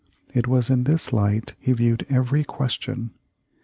It was in this light he viewed every question.